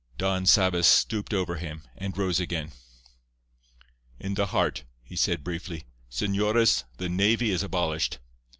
Don Sabas stooped over him, and rose again. "In the heart," he said briefly. "Señores, the navy is abolished."